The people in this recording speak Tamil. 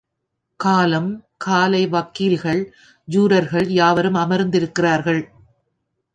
காலம் காலை வக்கீல்கள், ஜூரர்கள் யாவரும் அமர்ந்திருக்கிறார்கள்.